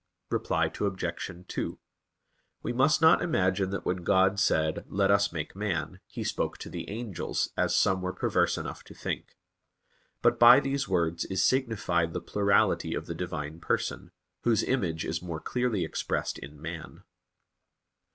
Reply Obj. 2: We must not imagine that when God said "Let us make man," He spoke to the angels, as some were perverse enough to think. But by these words is signified the plurality of the Divine Person, Whose image is more clearly expressed in man.